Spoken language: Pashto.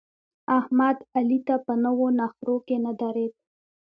احمد؛ علي ته په نو نخرو کې نه درېد.